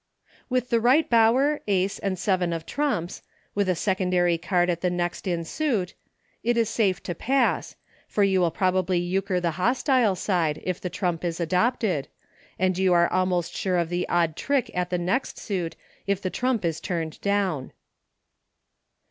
With the Right Bower, Ace, and seven of trumps, with a secondary card at the next in suit, it is safe to pass, for you will probably Euchre the hostile side, if the trump is adopted, and you are almost sure of the odd trick at the next suit, if the trump is turned down.